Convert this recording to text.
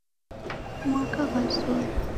Mwaka ghw'azoya.